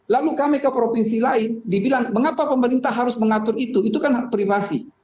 lalu kami ke provinsi lain dibilang mengapa pemerintah harus mengatur itu itu kan hak privasi